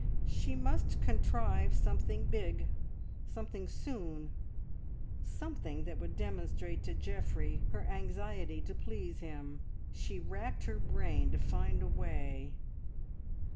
She must contrive something big, something soon, something that would demonstrate to Geoffrey her anxiety to please him. She racked her brain to find a way.